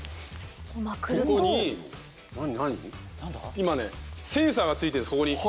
今センサーが付いてるんですここ。